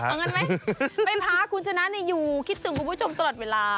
เอางั้นไหมไปพาคุณชนะอยู่คิดถึงคุณผู้ชมตลอดเวลา